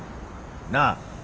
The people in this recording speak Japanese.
なあ？